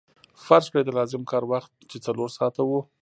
فرض کړئ د لازم کار وخت چې څلور ساعته وو